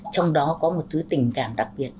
trong đó có một thứ tình cảm đặc biệt